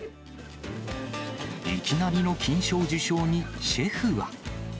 いきなりの金賞受賞に、シェフは。